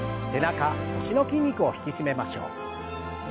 背中腰の筋肉を引き締めましょう。